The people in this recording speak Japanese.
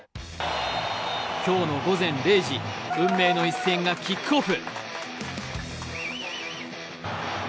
今日の午前０時、運命の一戦がキックオフ！